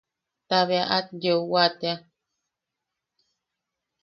Ta bea at yeuwa tea.